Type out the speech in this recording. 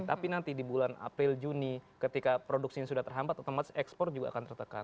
tapi nanti di bulan april juni ketika produksinya sudah terhambat otomatis ekspor juga akan tertekan